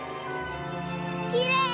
きれい！